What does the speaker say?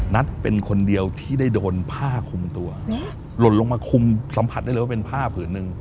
นัทเป็นคนเดียวที่ได้โดนผ้าคุมตัวหล่นลงมาคุมสัมผัสได้เลยว่าเป็นผ้าผืนหนึ่ง